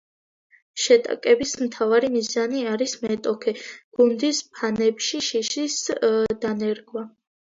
შეტაკებების მთავარი მიზანი არის მეტოქე გუნდის ფანებში შიშის დანერგვა.